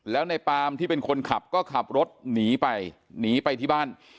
แล้วในปามที่เป็นคนขับก็ขับรถหนีไปหนีไปที่บ้าน